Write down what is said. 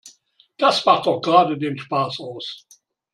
Das macht doch gerade den Spaß aus.